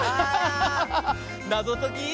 なぞとき。